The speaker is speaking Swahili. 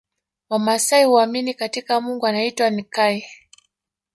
Wamaasai huamini katika Mungu anaeitwa Nkai